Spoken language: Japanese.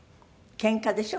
ケンカでしょ？